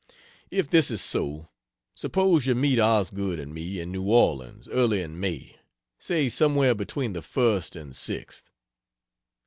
If this is so, suppose you meet Osgood and me in New Orleans early in May say somewhere between the 1st and 6th?